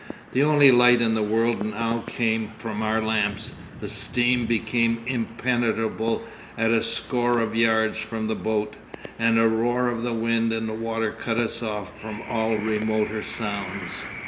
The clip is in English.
The only light in the world now came from our lamps, the steam became impenetrable at a score of yards from the boat, and the roar of the wind and water cut us off from all remoter sounds.